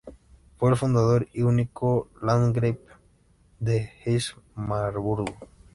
Fue el fundador y único Landgrave de Hesse-Marburgo.